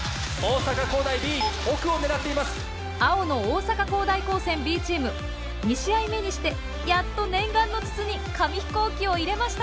青の大阪公大高専Ｂチーム２試合目にしてやっと念願の筒に紙ヒコーキを入れました。